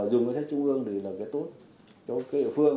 đấy mà dùng ngân sách trung ương thì là cái tốt cho cái địa phương